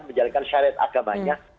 menjalankan syariat agamanya